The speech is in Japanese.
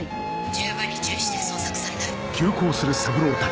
十分に注意して捜索されたい。